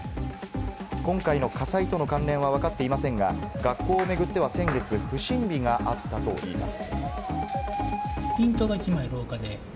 今回の火災との関連はわかっていませんが、学校を巡っては先月、不審火があったといいます。